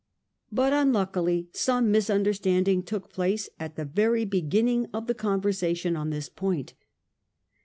But unluckily some mis understanding took place at the very beginning of the conversations on this point.